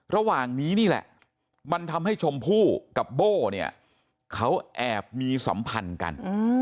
ระหว่างนี้นี่แหละมันทำให้ชมพู่กับโบ้เนี่ยเขาแอบมีสัมพันธ์กัน